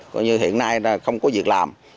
gọi như hiện nay không có việc làm